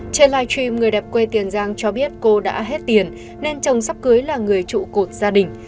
trên live stream người đẹp quê tiền giang cho biết cô đã hết tiền nên chồng sắp cưới là người trụ cột gia đình